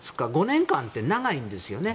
５年間って長いんです。